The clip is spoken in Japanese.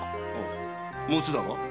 六つだが。